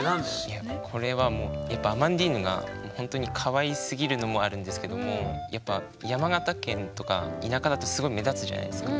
いやこれはもうやっぱアマンディーヌがほんとにかわいすぎるのもあるんですけどもやっぱ山形県とか田舎だとすごい目立つじゃないですか。